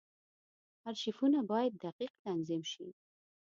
ارشیفونه باید دقیق تنظیم شي.